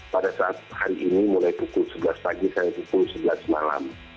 pada saat hari ini mulai pukul sebelas pagi sampai pukul sebelas malam